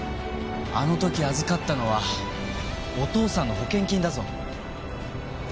あの時預かったのはお父さんの保険金だぞ？